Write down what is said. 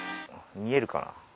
見えるかな？